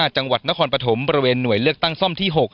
จังหวัดนครปฐมบริเวณหน่วยเลือกตั้งซ่อมที่๖